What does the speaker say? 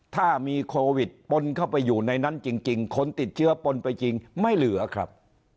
ถ้ามีโควิดปนเข้าไปอยู่ในนั้นจริงคนติดเชื้อปนไปจริงไม่เหลือครับ